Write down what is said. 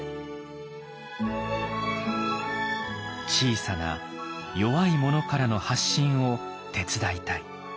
小さな弱い者からの発信を手伝いたい。